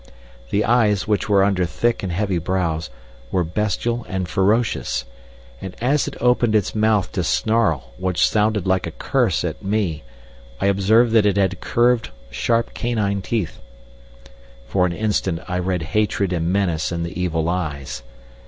The eyes, which were under thick and heavy brows, were bestial and ferocious, and as it opened its mouth to snarl what sounded like a curse at me I observed that it had curved, sharp canine teeth. For an instant I read hatred and menace in the evil eyes.